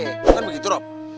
bukan begitu rob